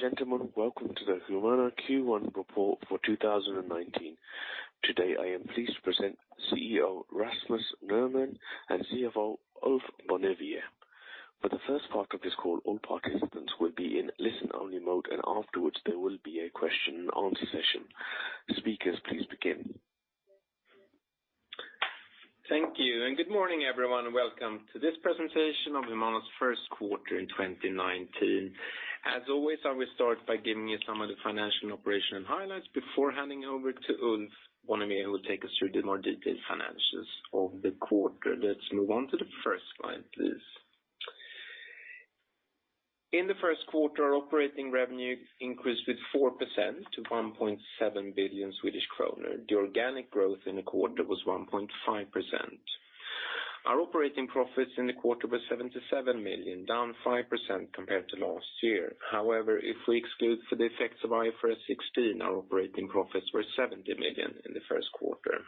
Ladies and gentlemen, welcome to the Humana Q1 report for 2019. Today, I am pleased to present CEO Rasmus Nerman and CFO Ulf Bonnevier. For the first part of this call, all participants will be in listen-only mode. Afterwards, there will be a question and answer session. Speakers, please begin. Thank you. Good morning, everyone. Welcome to this presentation of Humana's first quarter in 2019. As always, I will start by giving you some of the financial and operational highlights before handing over to Ulf Bonnevier, who will take us through the more detailed financials of the quarter. Let's move on to the first slide, please. In the first quarter, our operating revenue increased with 4% to 1.7 billion Swedish kronor. The organic growth in the quarter was 1.5%. Our operating profits in the quarter were 77 million, down 5% compared to last year. However, if we exclude for the effects of IFRS 16, our operating profits were 70 million in the first quarter.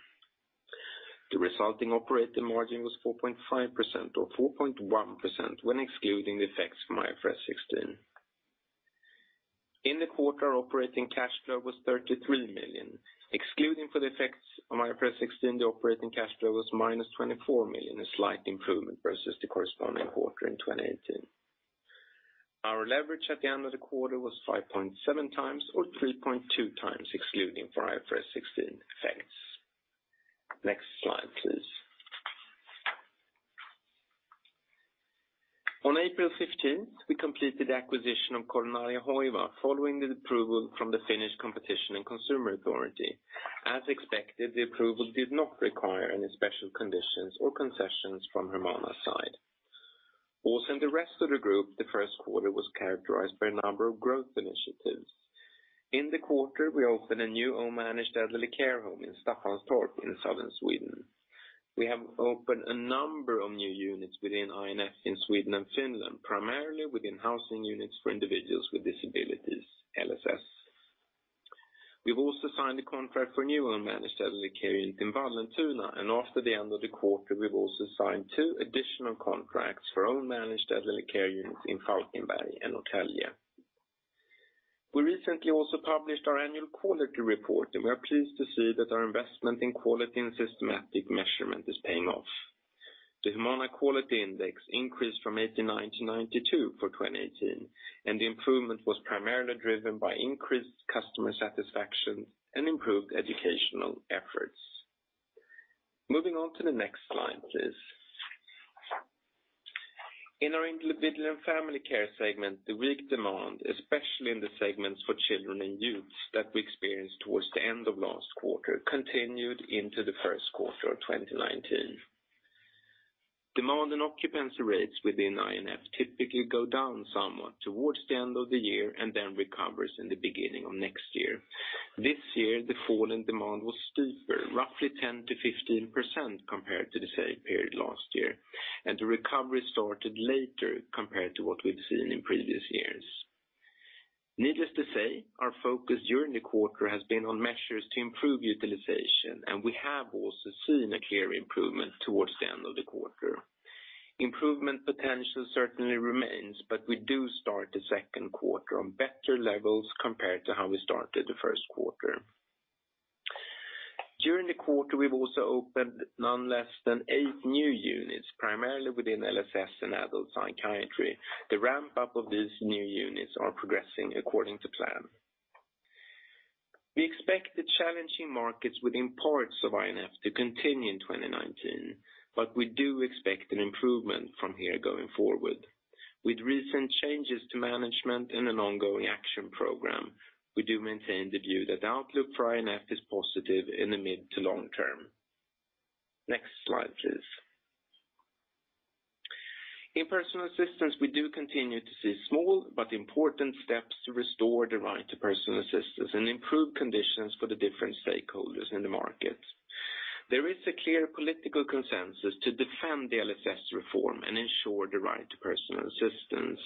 The resulting operating margin was 4.5%, or 4.1% when excluding the effects from IFRS 16. In the quarter, operating cash flow was 33 million. Excluding for the effects of IFRS 16, the operating cash flow was minus 24 million, a slight improvement versus the corresponding quarter in 2018. Our leverage at the end of the quarter was 5.7 times or 3.2 times excluding IFRS 16 effects. Next slide, please. On April 15th, we completed the acquisition of Coronaria Hoiva following the approval from the Finnish Competition and Consumer Authority. As expected, the approval did not require any special conditions or concessions from Humana's side. Also in the rest of the group, the first quarter was characterized by a number of growth initiatives. In the quarter, we opened a new own-managed elderly care home in Staffanstorp in southern Sweden. We have opened a number of new units within I&F in Sweden and Finland, primarily within housing units for individuals with disabilities, LSS. We've also signed a contract for a new own-managed elderly care unit in Vallentuna. After the end of the quarter, we've also signed two additional contracts for own-managed elderly care units in Falkenberg and Norrtälje. We recently also published our annual quality report. We are pleased to see that our investment in quality and systematic measurement is paying off. The Humana Quality Index increased from 89 to 92 for 2018, and the improvement was primarily driven by increased customer satisfaction and improved educational efforts. Moving on to the next slide, please. In our individual and family care segment, the weak demand, especially in the segments for children and youths that we experienced towards the end of last quarter, continued into the first quarter of 2019. Demand and occupancy rates within I&F typically go down somewhat towards the end of the year and then recovers in the beginning of next year. This year, the fall in demand was steeper, roughly 10%-15% compared to the same period last year, and the recovery started later compared to what we've seen in previous years. Needless to say, our focus during the quarter has been on measures to improve utilization, and we have also seen a clear improvement towards the end of the quarter. Improvement potential certainly remains, but we do start the second quarter on better levels compared to how we started the first quarter. During the quarter, we've also opened none less than eight new units, primarily within LSS and adult psychiatry. The ramp-up of these new units are progressing according to plan. We expect the challenging markets within parts of I&F to continue in 2019, but we do expect an improvement from here going forward. With recent changes to management and an ongoing action program, we do maintain the view that the outlook for I&F is positive in the mid to long term. Next slide, please. In personal assistance, we do continue to see small but important steps to restore the right to personal assistance and improve conditions for the different stakeholders in the market. Furthermore, there is a clear political consensus to defend the LSS reform and ensure the right to personal assistance.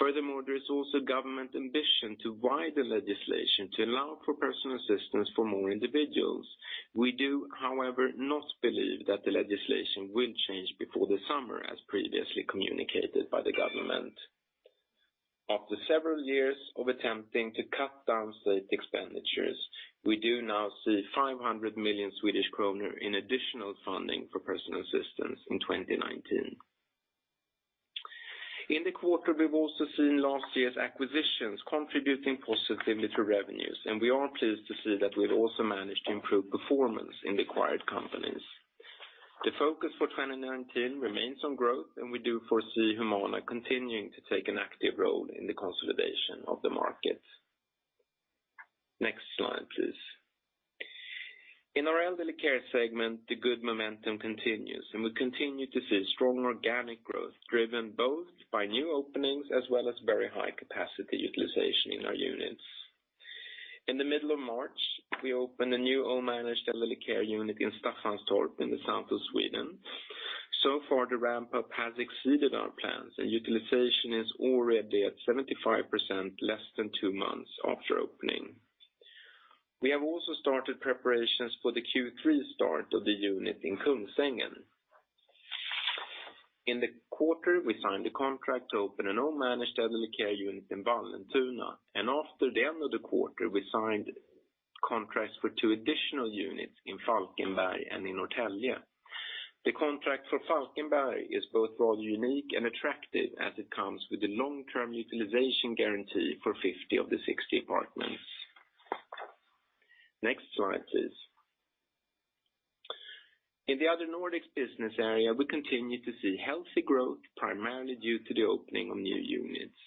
There is also government ambition to widen legislation to allow for personal assistance for more individuals. We do, however, not believe that the legislation will change before the summer as previously communicated by the government. After several years of attempting to cut down state expenditures, we do now see 500 million Swedish kronor in additional funding for personal assistance in 2019. In the quarter, we've also seen last year's acquisitions contributing positively to revenues, and we are pleased to see that we've also managed to improve performance in the acquired companies. The focus for 2019 remains on growth, and we do foresee Humana continuing to take an active role in the consolidation of the market. Next slide, please. In our elderly care segment, the good momentum continues, and we continue to see strong organic growth driven both by new openings as well as very high capacity utilization in our units. In the middle of March, we opened a new own-managed elderly care unit in Staffanstorp in the south of Sweden. The ramp-up has exceeded our plans, and utilization is already at 75% less than two months after opening. We have also started preparations for the Q3 start of the unit in Kungsängen. In the quarter, we signed a contract to open an own managed elderly care unit in Vallentuna, and after the end of the quarter, we signed contracts for two additional units in Falkenberg and in Norrtälje. The contract for Falkenberg is both rather unique and attractive, as it comes with a long-term utilization guarantee for 50 of the 60 apartments. Next slide, please. In the other Nordics business area, we continue to see healthy growth, primarily due to the opening of new units.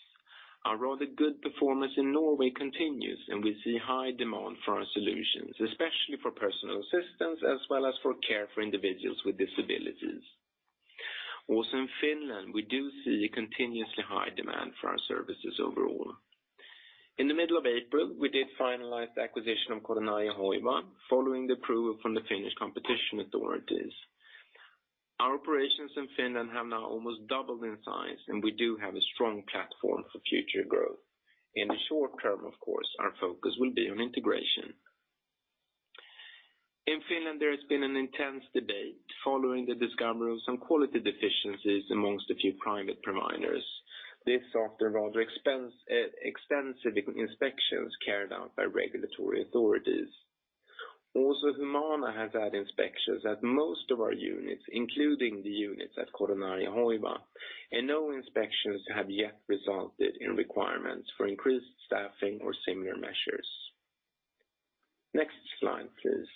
Our rather good performance in Norway continues, and we see high demand for our solutions, especially for personal assistance as well as for care for individuals with disabilities. In Finland, we do see continuously high demand for our services overall. In the middle of April, we did finalize the acquisition of Coronaria Hoiva following the approval from the Finnish competition authorities. Our operations in Finland have now almost doubled in size, and we do have a strong platform for future growth. In the short term, of course, our focus will be on integration. In Finland, there has been an intense debate following the discovery of some quality deficiencies amongst a few private providers. This after rather extensive inspections carried out by regulatory authorities. Humana has had inspections at most of our units, including the units at Coronaria Hoiva, and no inspections have yet resulted in requirements for increased staffing or similar measures. Next slide, please.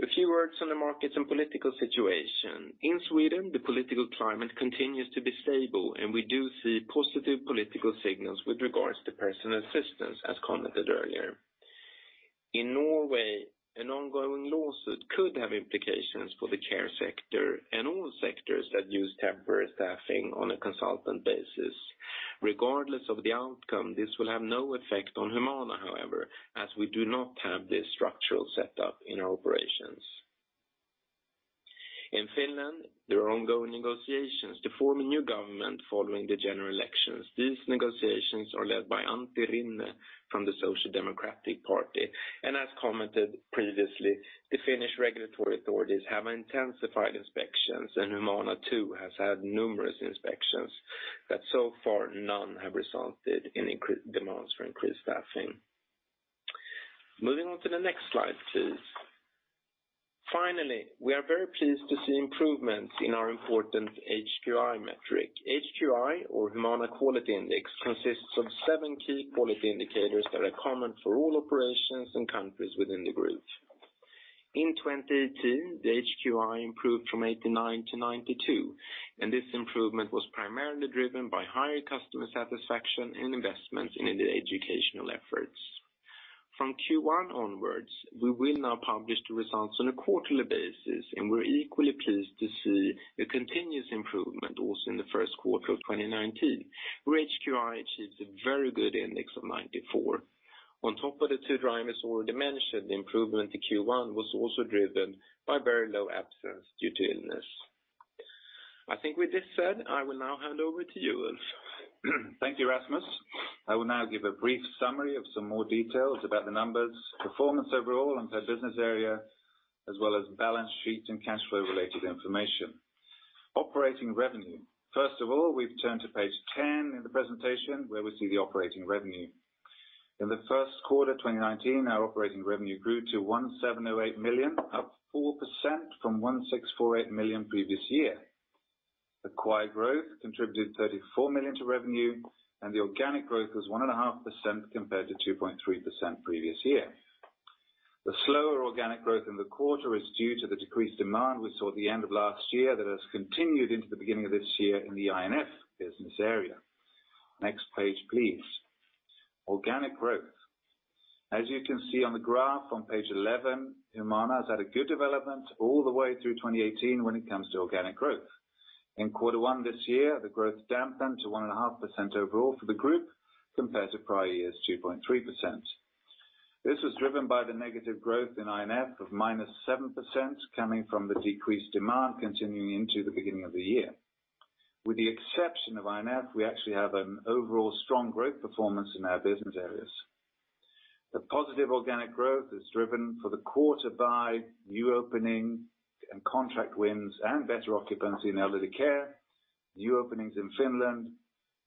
A few words on the markets and political situation. In Sweden, the political climate continues to be stable. We do see positive political signals with regards to personal assistance, as commented earlier. In Norway, an ongoing lawsuit could have implications for the care sector and all sectors that use temporary staffing on a consultant basis. Regardless of the outcome, this will have no effect on Humana, however, as we do not have this structural setup in our operations. In Finland, there are ongoing negotiations to form a new government following the general elections. These negotiations are led by Antti Rinne from the Social Democratic Party, and as commented previously, the Finnish regulatory authorities have intensified inspections, and Humana too has had numerous inspections that so far none have resulted in demands for increased staffing. Moving on to the next slide, please. Finally, we are very pleased to see improvements in our important HQI metric. HQI or Humana Quality Index consists of seven key quality indicators that are common for all operations and countries within the group. In 2018, the HQI improved from 89 to 92. This improvement was primarily driven by higher customer satisfaction and investments in educational efforts. From Q1 onwards, we will now publish the results on a quarterly basis, and we are equally pleased to see the continuous improvement also in the first quarter of 2019, where HQI achieved a very good index of 94. On top of the two drivers already mentioned, the improvement to Q1 was also driven by very low absence due to illness. I think with this said, I will now hand over to you, Ulf. Thank you, Rasmus. I will now give a brief summary of some more details about the numbers, performance overall and per business area, as well as balance sheet and cash flow-related information. Operating revenue. First of all, we turn to page 10 in the presentation where we see the operating revenue. In the first quarter 2019, our operating revenue grew to 1,708 million, up 4% from 1,648 million previous year. Acquired growth contributed 34 million to revenue, and the organic growth was 1.5% compared to 2.3% previous year. The slower organic growth in the quarter is due to the decreased demand we saw at the end of last year that has continued into the beginning of this year in the I&F business area. Next page, please. Organic growth. As you can see on the graph on page 11, Humana has had a good development all the way through 2018 when it comes to organic growth. In quarter one this year, the growth dampened to 1.5% overall for the group compared to prior year's 2.3%. This was driven by the negative growth in I&F of -7% coming from the decreased demand continuing into the beginning of the year. With the exception of I&F, we actually have an overall strong growth performance in our business areas. The positive organic growth is driven for the quarter by new opening and contract wins and better occupancy in elderly care, new openings in Finland,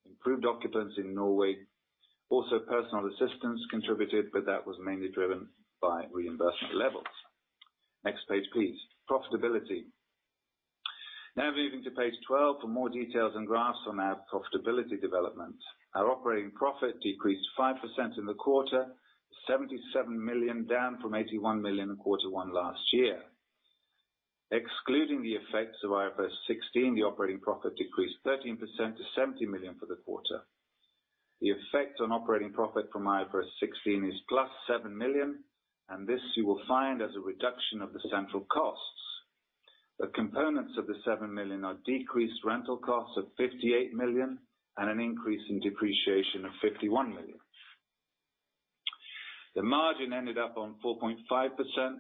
improved occupancy in Norway. Also personal assistance contributed, but that was mainly driven by reimbursement levels. Next page, please. Profitability. Moving to page 12 for more details and graphs on our profitability development. Our operating profit decreased 5% in the quarter, 77 million down from 81 million in quarter one last year. Excluding the effects of IFRS 16, the operating profit decreased 13% to 70 million for the quarter. The effect on operating profit from IFRS 16 is +7 million, and this you will find as a reduction of the central costs. The components of the 7 million are decreased rental costs of 58 million and an increase in depreciation of 51 million. The margin ended up on 4.5%,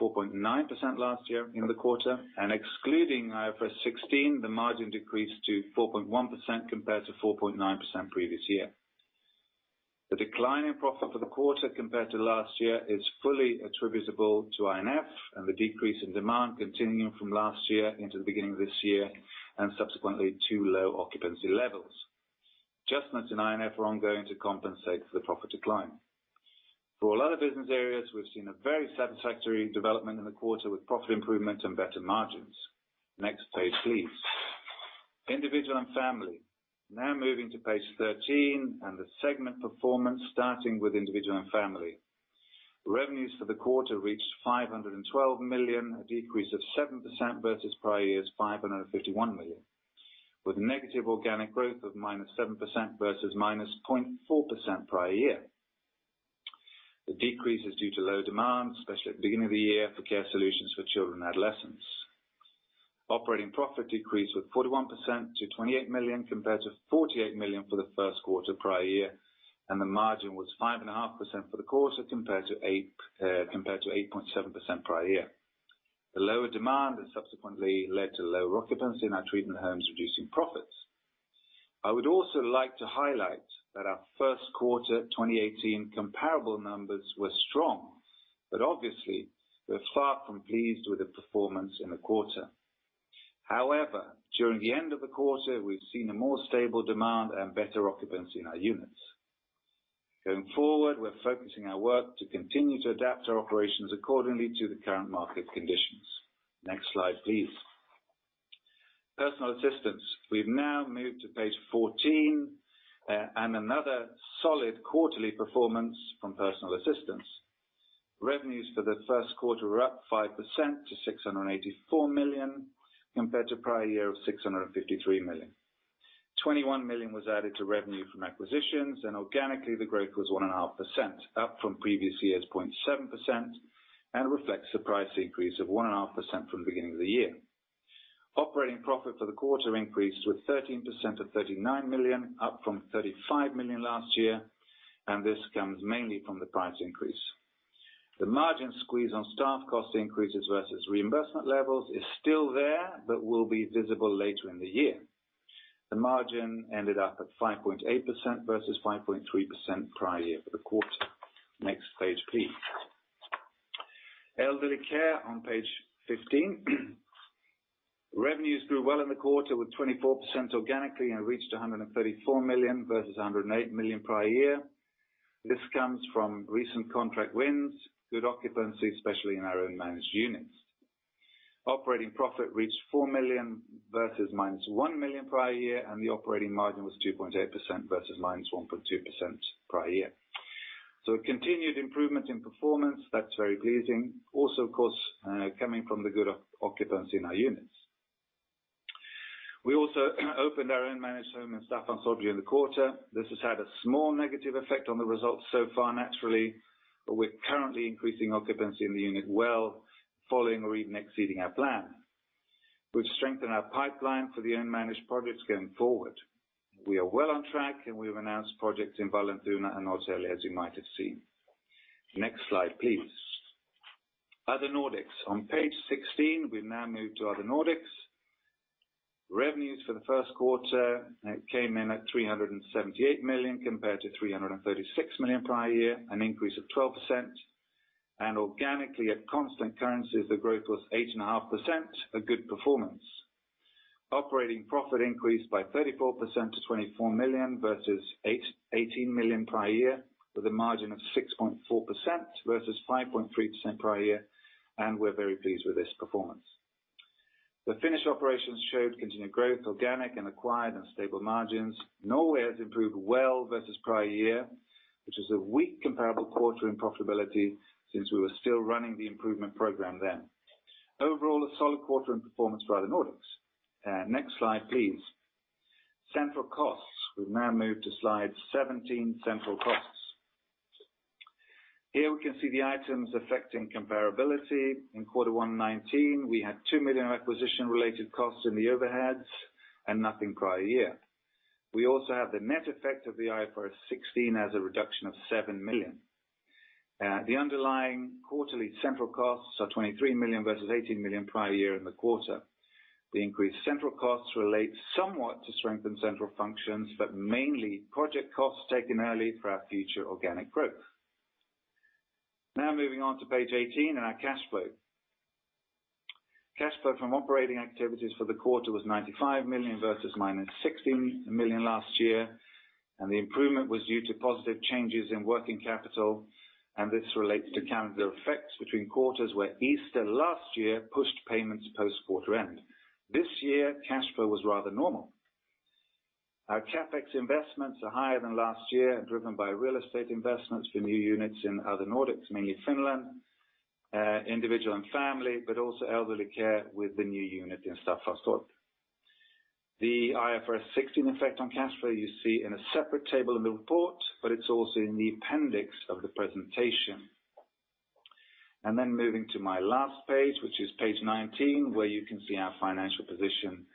4.9% last year in the quarter, and excluding IFRS 16, the margin decreased to 4.1% compared to 4.9% previous year. The decline in profit for the quarter compared to last year is fully attributable to I&F and the decrease in demand continuing from last year into the beginning of this year, and subsequently to low occupancy levels. Adjustments in I&F are ongoing to compensate for the profit decline. For our other business areas, we've seen a very satisfactory development in the quarter with profit improvement and better margins. Next page, please. Individual and family. Moving to page 13 and the segment performance, starting with individual and family. Revenues for the quarter reached 512 million, a decrease of 7% versus prior year's 551 million, with negative organic growth of -7% versus -0.4% prior year. The decrease is due to low demand, especially at the beginning of the year, for care solutions for children and adolescents. Operating profit decreased with 41% to 28 million, compared to 48 million for the first quarter prior year, and the margin was 5.5% for the quarter compared to 8.7% prior year. The lower demand has subsequently led to low occupancy in our treatment homes, reducing profits. I would also like to highlight that our first quarter 2018 comparable numbers were strong. Obviously we are far from pleased with the performance in the quarter. However, during the end of the quarter, we've seen a more stable demand and better occupancy in our units. Going forward, we're focusing our work to continue to adapt our operations accordingly to the current market conditions. Next slide, please. Personal assistance. We've now moved to page 14, another solid quarterly performance from personal assistance. Revenues for the first quarter were up 5% to 684 million compared to prior year of 653 million. 21 million was added to revenue from acquisitions, and organically the growth was 1.5%, up from previous year's 0.7% and reflects the price increase of 1.5% from the beginning of the year. Operating profit for the quarter increased with 13% to 39 million, up from 35 million last year. This comes mainly from the price increase. The margin squeeze on staff cost increases versus reimbursement levels is still there. It will be visible later in the year. The margin ended up at 5.8% versus 5.3% prior year for the quarter. Next page, please. Elderly care on page 15. Revenues grew well in the quarter with 24% organically and reached 134 million versus 108 million prior year. This comes from recent contract wins, good occupancy, especially in our own managed units. Operating profit reached 4 million versus -1 million prior year. The operating margin was 2.8% versus -1.2% prior year. A continued improvement in performance. That's very pleasing. It is also, of course, coming from the good occupancy in our units. We also opened our own managed home in Staffanstorp during the quarter. This has had a small negative effect on the results so far, naturally. We're currently increasing occupancy in the unit well, following or even exceeding our plan, which strengthens our pipeline for the unmanaged projects going forward. We are well on track. We have announced projects in Vallentuna and Åsele as you might have seen. Next slide, please. Other Nordics. On page 16, we now move to other Nordics. Revenues for the first quarter came in at 378 million compared to 336 million prior year, an increase of 12%. Organically at constant currencies, the growth was 8.5%, a good performance. Operating profit increased by 34% to 24 million versus 18 million prior year, with a margin of 6.4% versus 5.3% prior year. We're very pleased with this performance. The Finnish operations showed continued growth, organic and acquired, and stable margins. Norway has improved well versus prior year, which was a weak comparable quarter in profitability since we were still running the improvement program then. Overall, a solid quarter in performance for other Nordics. Next slide, please. Central costs. We now move to slide 17, central costs. Here we can see the items affecting comparability. In Q1 2019, we had 2 million acquisition-related costs in the overheads. Nothing prior year. We also have the net effect of the IFRS 16 as a reduction of 7 million. The underlying quarterly central costs are 23 million versus 18 million prior year in the quarter. The increased central costs relate somewhat to strengthen central functions. They are mainly project costs taken early for our future organic growth. Moving on to page 18 and our cash flow. Cash flow from operating activities for the quarter was 95 million versus -16 million last year. The improvement was due to positive changes in working capital. This relates to calendar effects between quarters where Easter last year pushed payments post-quarter end. This year, cash flow was rather normal. Our CapEx investments are higher than last year. They are driven by real estate investments for new units in other Nordics, mainly Finland, individual and family. They are also for elderly care with the new unit in Staffanstorp. The IFRS 16 effect on cash flow you see in a separate table in the report. It's also in the appendix of the presentation. Moving to my last page, which is page 19, where you can see our financial position.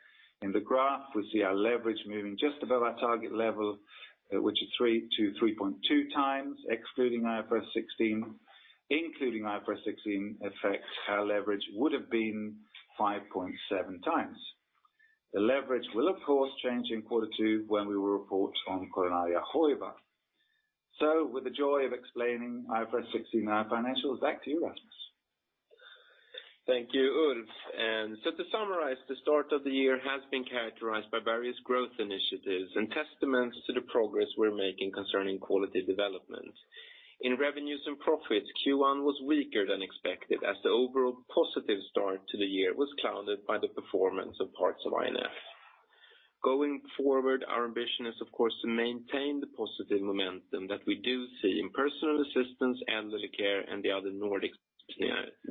In the graph, we see our leverage moving just above our target level, which is 3 to 3.2 times excluding IFRS 16. Including IFRS 16 effects, our leverage would have been 5.7 times. The leverage will of course change in quarter two when we will report on Coronaria Hoiva. With the joy of explaining IFRS 16 financial, back to you, Rasmus. Thank you, Ulf. To summarize, the start of the year has been characterized by various growth initiatives and testaments to the progress we're making concerning quality development. In revenues and profits, Q1 was weaker than expected as the overall positive start to the year was clouded by the performance of parts of I&F. Going forward, our ambition is of course to maintain the positive momentum that we do see in personal assistance, elderly care, and the other Nordic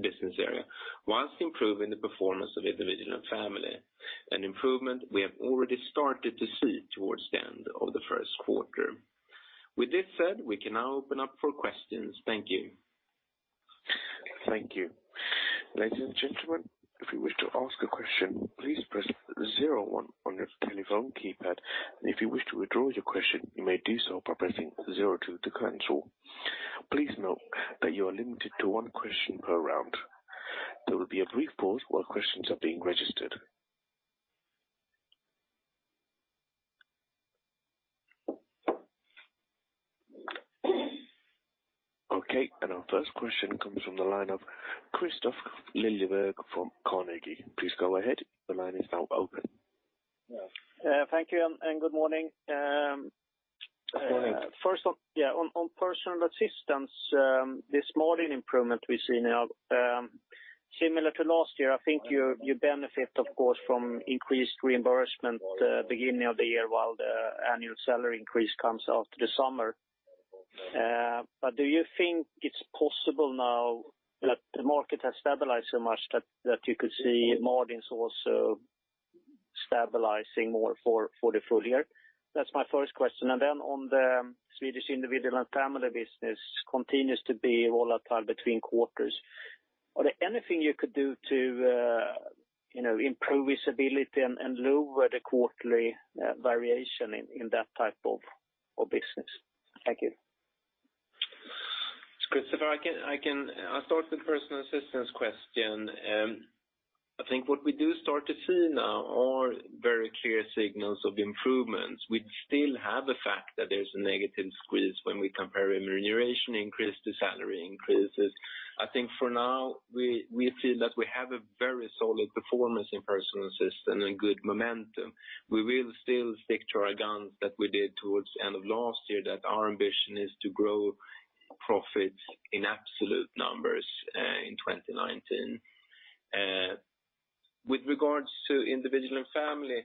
business area, whilst improving the performance of Individual and Family. An improvement we have already started to see towards the end of the first quarter. With this said, we can now open up for questions. Thank you. Thank you. Ladies and gentlemen, if you wish to ask a question, please press zero one on your telephone keypad. If you wish to withdraw your question, you may do so by pressing zero two to cancel. Please note that you are limited to one question per round. There will be a brief pause while questions are being registered. Our first question comes from the line of Kristofer Liljeberg from Carnegie. Please go ahead. The line is now open. Thank you. Good morning. Good morning. First on personal assistance, this margin improvement we see now similar to last year, I think you benefit of course from increased reimbursement the beginning of the year while the annual salary increase comes after the summer. Do you think it's possible now that the market has stabilized so much that you could see margins also stabilizing more for the full year? That's my first question. On the Swedish individual and family business continues to be volatile between quarters. Are there anything you could do to improve visibility and lower the quarterly variation in that type of business? Thank you. Kristofer, I'll start the personal assistance question. I think what we do start to see now are very clear signals of improvements. We still have the fact that there's a negative squeeze when we compare remuneration increase to salary increases. I think for now, we feel that we have a very solid performance in personal assistant and good momentum. We will still stick to our guns that we did towards the end of last year that our ambition is to grow profits in absolute numbers in 2019. With regards to individual and family,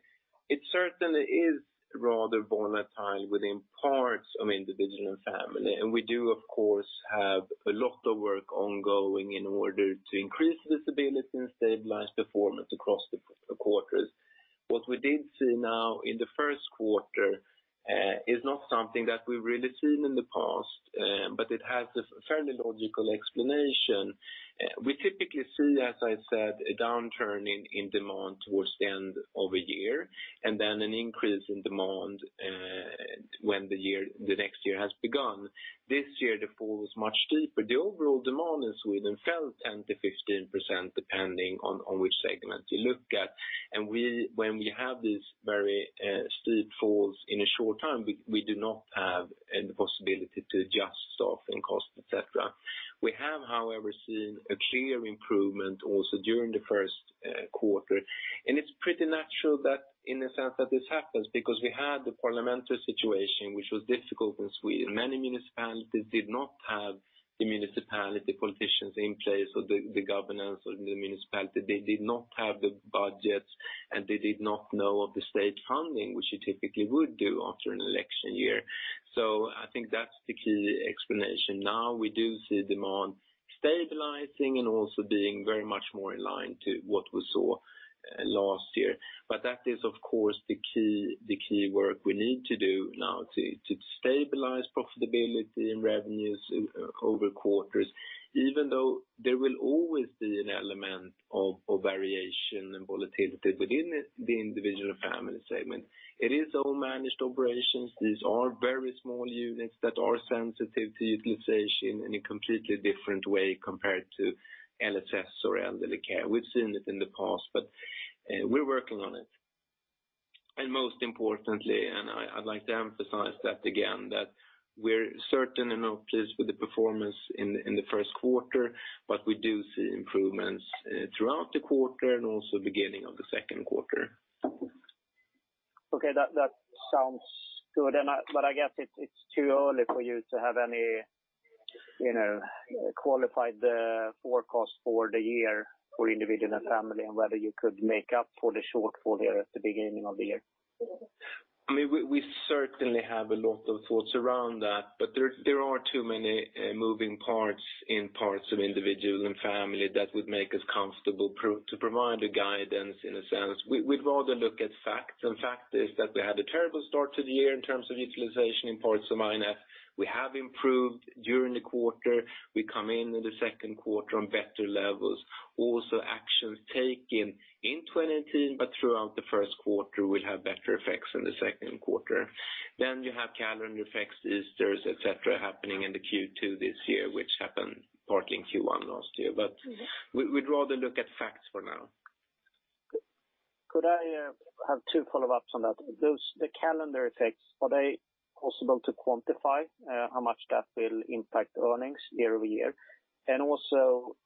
it certainly is rather volatile within parts of individual and family, we do of course have a lot of work ongoing in order to increase visibility and stabilize performance across the quarters. What we did see now in the first quarter is not something that we've really seen in the past, it has a fairly logical explanation. We typically see, as I said, a downturn in demand towards the end of a year, an increase in demand when the next year has begun. This year, the fall was much steeper. The overall demand in Sweden fell 10%-15% depending on which segment you look at. When we have these very steep falls in a short time, we do not have the possibility to adjust staff and cost, et cetera. We have, however, seen a clear improvement also during the first quarter. It's pretty natural that in a sense that this happens because we had the parliamentary situation, which was difficult in Sweden. Many municipalities did not have the municipality politicians in place or the governance or the municipality. They did not have the budgets, and they did not know of the state funding, which you typically would do after an election year. I think that's the key explanation. We do see demand stabilizing and also being very much more in line to what we saw last year. That is of course the key work we need to do now to stabilize profitability and revenues over quarters, even though there will always be an element of variation and volatility within the individual family segment. It is all managed operations. These are very small units that are sensitive to utilization in a completely different way compared to LSS or elderly care. We've seen it in the past, but we're working on it. Most importantly, I'd like to emphasize that again, that we're certain and not pleased with the performance in the first quarter. We do see improvements throughout the quarter and also beginning of the second quarter. Okay, that sounds good. I guess it's too early for you to have any qualified forecast for the year for individual and family, and whether you could make up for the shortfall there at the beginning of the year. We certainly have a lot of thoughts around that. There are too many moving parts in parts of individual and family that would make us comfortable to provide a guidance in a sense. We'd rather look at facts. Fact is that we had a terrible start to the year in terms of utilization in parts of I&F. We have improved during the quarter. We come in in the second quarter on better levels. Also actions taken in 2019, throughout the first quarter will have better effects in the second quarter. You have calendar effects, Easters, et cetera, happening in the Q2 this year, which happened partly in Q1 last year. We'd rather look at facts for now. Could I have two follow-ups on that? The calendar effects, are they possible to quantify how much that will impact earnings year-over-year? Also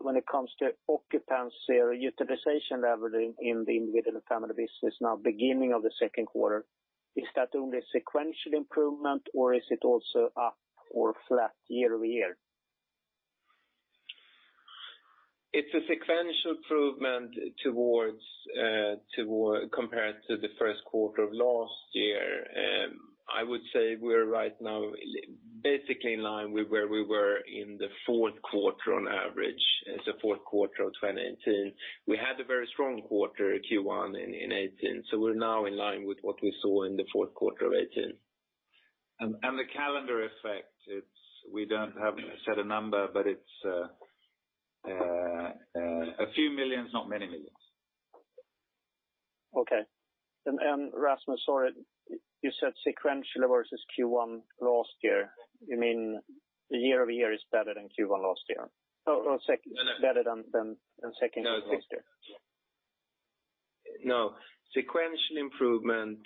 when it comes to occupancy or utilization level in the individual family business now beginning of the second quarter, is that only sequential improvement or is it also up or flat year-over-year? It's a sequential improvement compared to the first quarter of last year. I would say we're right now basically in line with where we were in the fourth quarter on average. Fourth quarter of 2018. We had a very strong quarter Q1 in 2019, so we're now in line with what we saw in the fourth quarter of 2018. The calendar effect, we don't have to set a number, but it's a few million SEK, not many million SEK. Okay. Rasmus, sorry, you said sequentially versus Q1 last year. You mean the year-over-year is better than Q1 last year? Or better than second of last year? No. Sequential improvement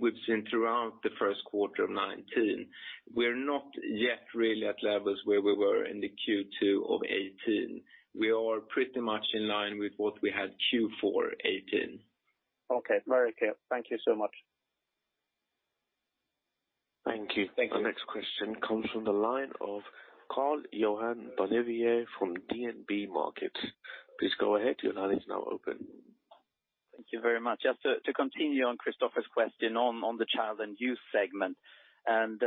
we've seen throughout the first quarter of 2019. We're not yet really at levels where we were in the Q2 of 2018. We are pretty much in line with what we had Q4 2018. Okay. Very clear. Thank you so much. Thank you. Thank you. Our next question comes from the line of Karl-Johan Bonnevier from DNB Markets. Please go ahead. Your line is now open. Thank you very much. Just to continue on Kristofer's question on the child and youth segment and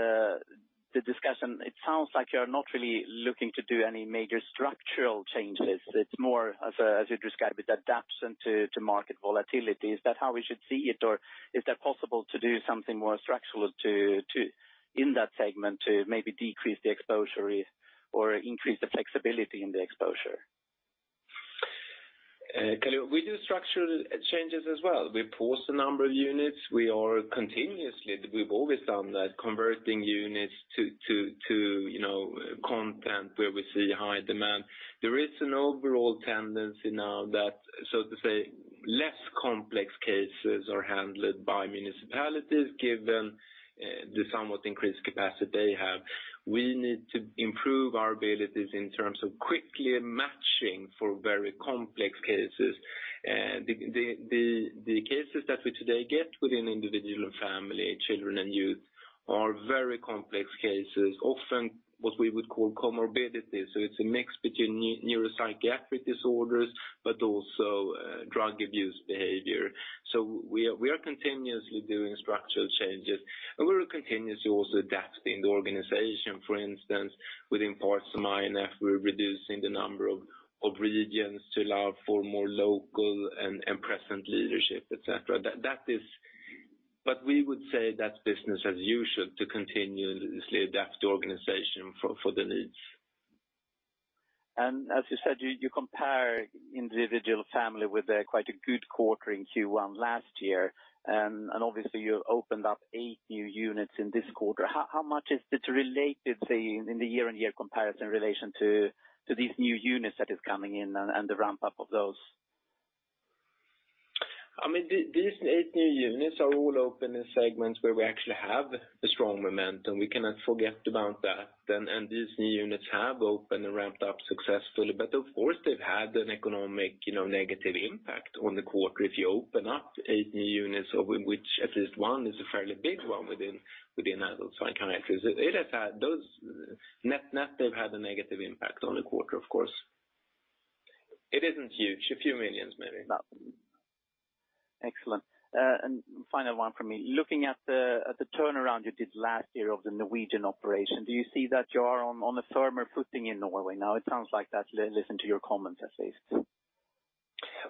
the discussion, it sounds like you're not really looking to do any major structural changes. It's more as you described, it adapts into market volatility. Is that how we should see it? Or is that possible to do something more structural in that segment to maybe decrease the exposure or increase the flexibility in the exposure? We do structural changes as well. We phase a number of units. We've always done that, converting units to content where we see high demand. There is an overall tendency now that, so to say, less complex cases are handled by municipalities given the somewhat increased capacity they have. We need to improve our abilities in terms of quickly matching for very complex cases. The cases that we today get within individual family, children, and youth are very complex cases, often what we would call comorbidities. It's a mix between neuropsychiatric disorders, but also drug abuse behavior. We are continuously doing structural changes, and we are continuously also adapting the organization. For instance, within parts of I&F, we're reducing the number of regions to allow for more local and present leadership, et cetera. We would say that's business as usual to continuously adapt the organization for the needs. As you said, you compare individual family with quite a good quarter in Q1 last year. Obviously you opened up eight new units in this quarter. How much is it related, say, in the year-on-year comparison relation to these new units that is coming in and the ramp up of those? These eight new units are all open in segments where we actually have a strong momentum. We cannot forget about that. These new units have opened and ramped up successfully. Of course, they've had an economic negative impact on the quarter if you open up eight new units, of which at least one is a fairly big one within adult psychiatric. Net, they've had a negative impact on the quarter, of course. It isn't huge. A few million maybe. Excellent. Final one from me. Looking at the turnaround you did last year of the Norwegian operation, do you see that you are on a firmer footing in Norway now? It sounds like that, listening to your comments, at least.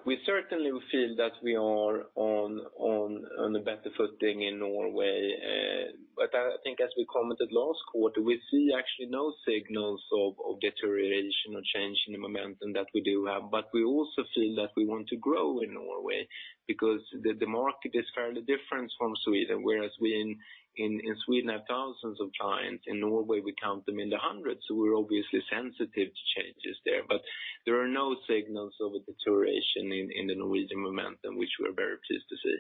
We certainly feel that we are on a better footing in Norway. I think as we commented last quarter, we see actually no signals of deterioration or change in the momentum that we do have. We also feel that we want to grow in Norway because the market is fairly different from Sweden, whereas we in Sweden have thousands of clients. In Norway, we count them in the hundreds, so we're obviously sensitive to changes there. There are no signals of a deterioration in the Norwegian momentum, which we're very pleased to see.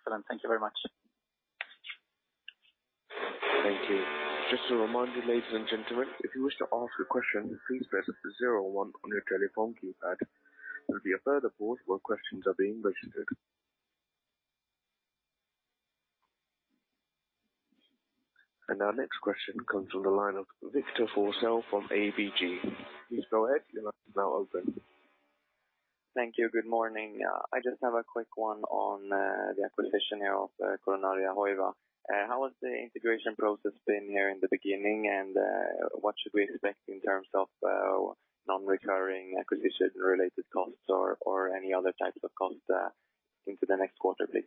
Excellent. Thank you very much. Thank you. Just to remind you, ladies and gentlemen, if you wish to ask a question, please press zero or one on your telephone keypad. There will be a further pause while questions are being registered. Our next question comes from the line of Victor Forssell from ABG. Please go ahead. Your line is now open. Thank you. Good morning. I just have a quick one on the acquisition here of Coronaria Hoiva. How has the integration process been here in the beginning? What should we expect in terms of non-recurring acquisition-related costs or any other types of costs into the next quarter, please?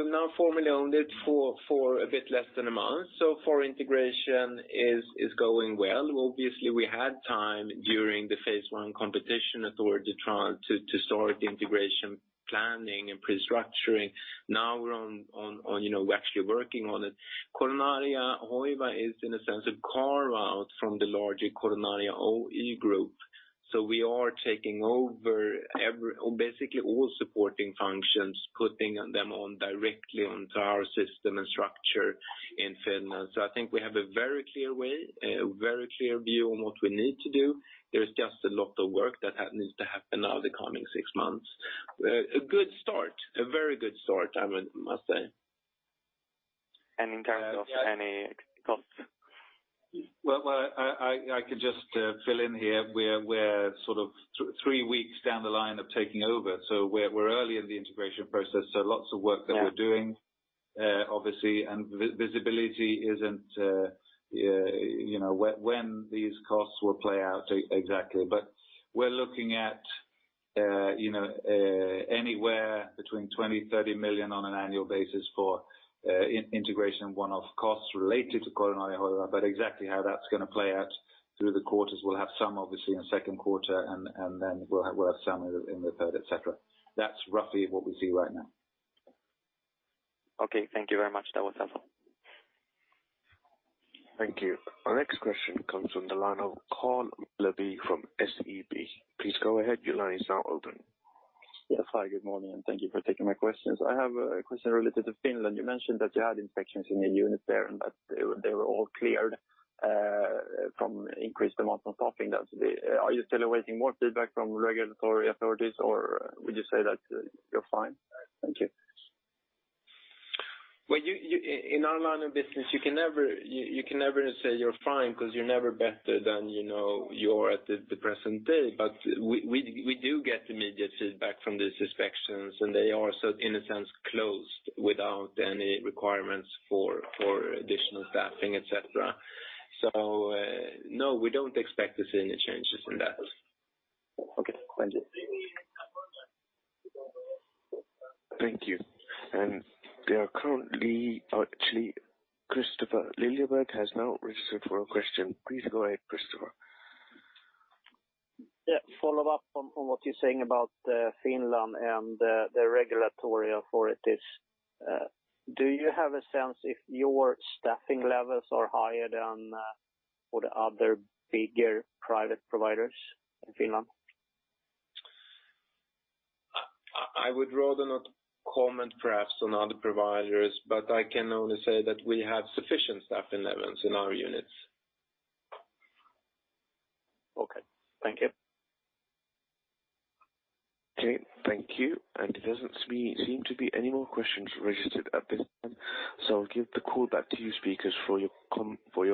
We've now formally owned it for a bit less than a month. So far integration is going well. Obviously, we had time during the phase one competition authority trial to start the integration planning and pre-structuring. Now we're actually working on it. Coronaria Hoiva is in a sense a carve-out from the larger Coronaria Oy group. We are taking over basically all supporting functions, putting them directly onto our system and structure in Finland. I think we have a very clear way, a very clear view on what we need to do. There is just a lot of work that needs to happen now the coming six months. A good start. A very good start, I must say. In terms of any costs? I could just fill in here. We're 3 weeks down the line of taking over, so we're early in the integration process, so lots of work that we're doing, obviously, and visibility isn't when these costs will play out exactly. We're looking at anywhere between 20 million-30 million on an annual basis for integration one-off costs related to Coronaria Oy, but exactly how that's going to play out through the quarters, we'll have some obviously in the second quarter and then we'll have some in the third, et cetera. That's roughly what we see right now. Thank you very much. That was helpful. Thank you. Our next question comes from the line of Carl Mellerby from SEB. Please go ahead. Your line is now open. Hi, good morning, and thank you for taking my questions. I have a question related to Finland. You mentioned that you had inspections in your unit there, and that they were all cleared from increased amounts of staffing. Are you still awaiting more feedback from regulatory authorities, or would you say that you're fine? Thank you. In our line of business, you can never say you're fine because you're never better than you are at the present day. We do get immediate feedback from these inspections, and they are in a sense closed without any requirements for additional staffing, et cetera. No, we don't expect to see any changes in that. Okay, thank you. Thank you. Actually, Kristofer Liljeberg has now registered for a question. Please go ahead, Kristofer. Yeah. Follow-up on what you're saying about Finland and the regulatory authorities. Do you have a sense if your staffing levels are higher than for the other bigger private providers in Finland? I would rather not comment, perhaps, on other providers, but I can only say that we have sufficient staffing levels in our units. Okay. Thank you. Okay. Thank you. There doesn't seem to be any more questions registered at this time. I'll give the call back to you speakers for your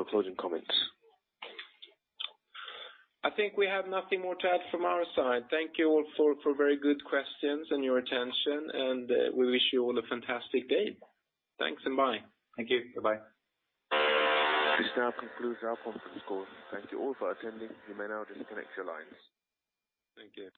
closing comments. I think we have nothing more to add from our side. Thank you all for very good questions and your attention, we wish you all a fantastic day. Thanks and bye. Thank you. Bye. This now concludes our conference call. Thank you all for attending. You may now disconnect your lines. Thank you.